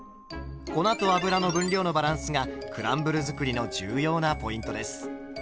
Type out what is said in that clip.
粉と油の分量のバランスがクランブル作りの重要なポイントです。